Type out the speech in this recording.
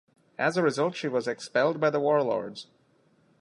As a result, she was expelled by the Warlords.